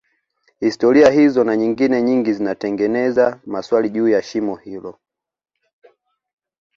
historia hizo na nyingine nyingi zinatengeza maswali juu ya shimo hilo